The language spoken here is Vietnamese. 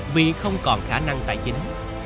vì không còn khả năng tài chính